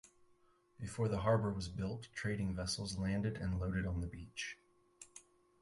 Before the harbour was built, trading vessels landed and loaded on the beach.